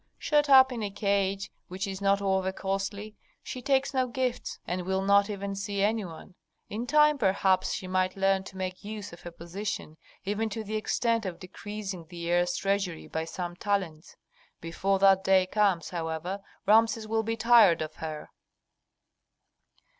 Shut up in a cage which is not over costly, she takes no gifts, and will not even see any one. In time, perhaps, she might learn to make use of her position even to the extent of decreasing the heir's treasury by some talents. Before that day comes, however, Rameses will be tired of her."